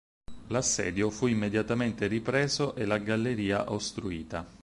L'assedio fu immediatamente ripreso e la galleria ostruita.